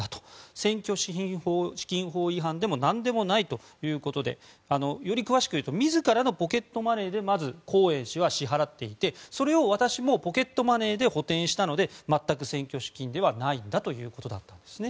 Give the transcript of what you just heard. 選挙資金法違反でも何でもないということでより詳しく言うと自らのポケットマネーでまず、コーエン氏は支払っていてそれを私もポケットマネーで補填したので全く選挙資金ではないんだということですね。